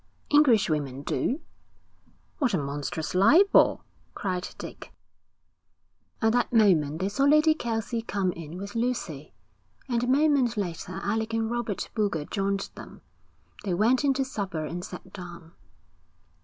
'English women do.' 'What a monstrous libel!' cried Dick. At that moment they saw Lady Kelsey come in with Lucy, and a moment later Alec and Robert Boulger joined them. They went in to supper and sat down.